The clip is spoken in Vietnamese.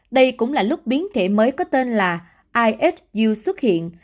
đây cũng là lúc biến thể mới có tên là ihu xuất hiện